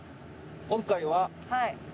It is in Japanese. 今回は。